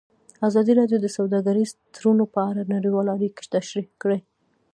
ازادي راډیو د سوداګریز تړونونه په اړه نړیوالې اړیکې تشریح کړي.